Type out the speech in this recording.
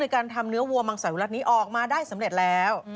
การทำเนื้อวัวมังสวิรัตินี้ออกมาได้สำเร็จแล้ว